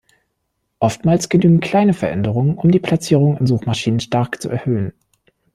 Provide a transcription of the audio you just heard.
Oftmals genügen kleine Veränderungen, um die Platzierung in Suchmaschinen stark zu erhöhen.